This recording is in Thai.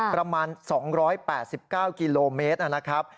ประมาณ๒๘๙กิโลเมตรนะครับ